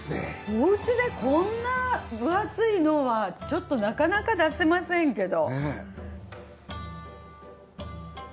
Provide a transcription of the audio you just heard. お家でこんな分厚いのはちょっとなかなか出せませんけど。